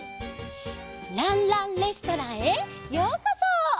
「ランランレストラン」へようこそ！